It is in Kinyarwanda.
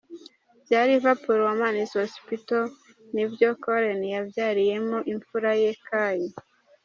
bya Liverpool Women's Hospital nibyo Coleen yabyariyemo imfura ye Kai.